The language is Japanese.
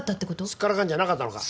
すっからかんじゃなかったのか？